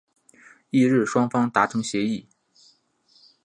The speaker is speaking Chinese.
翌日双方达成协议。